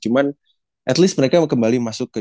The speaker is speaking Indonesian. cuman at least mereka kembali masuk ke